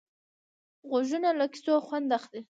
غوږونه له کیسو خوند اخلي